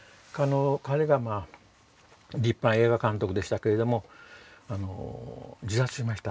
彼が立派な映画監督でしたけれども自殺しました。